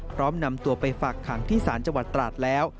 พร้อมนำตัวไปฝากขังที่ศาลจังหวัดตราดแล้ว